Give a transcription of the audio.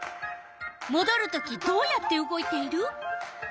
もどるときどうやって動いている？